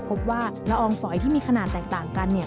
พบว่าละอองฝอยที่มีขนาดแตกต่างกันเนี่ย